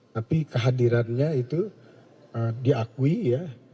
tapi kehadirannya itu diakui ya